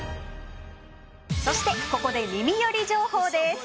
そしてここで耳寄り情報です。